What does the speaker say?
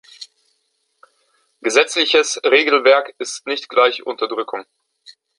Gesetzliches Regelwerk ist nicht gleich Unterdrückung.